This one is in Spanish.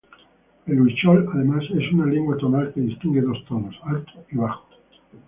El huichol además es una lengua tonal que distingue dos tonos, "alto" y "bajo".